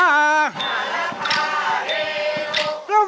สารภาเฮโรค